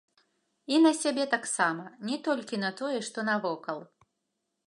І на сябе таксама, не толькі на тое, што навокал.